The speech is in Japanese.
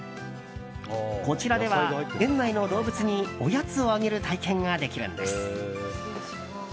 こちらでは、園内の動物におやつをあげる体験ができるんです。